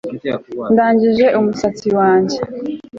Ndangije umusatsi wanjye